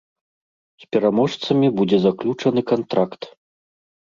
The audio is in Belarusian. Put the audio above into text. З пераможцамі будзе заключаны кантракт.